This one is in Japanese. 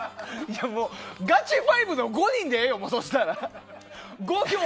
もうガチ５の５人でいいよそしたら。